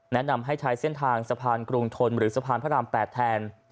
แนะนำให้ใช้เส้นทางสะพานกรุงทนหรือสะพานพระราม๘แทน